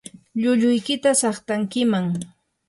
llulluykita saqtankiman.